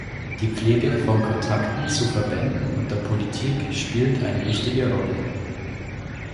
Die Pflege von Kontakten zu Verbänden und der Politik spielt eine wichtige Rolle.